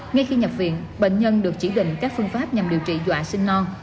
ngay khi nhập viện bệnh nhân được chỉ định các phương pháp nhằm điều trị doã sinh non